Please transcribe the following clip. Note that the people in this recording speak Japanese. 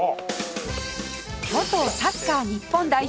元サッカー日本代表